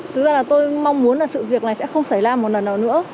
thực ra là tôi mong muốn là sự việc này sẽ không xảy ra một lần nào nữa